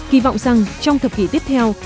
kỳ vọng rằng trong thập kỷ tiếp theo